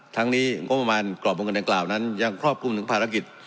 ทั้งนี้งบประมาณกรอบวงเงินดังกล่าวนั้นยังครอบคลุมถึงภารกิจ